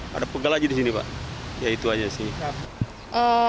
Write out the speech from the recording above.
pada pegel aja di sini pak ya itu aja sih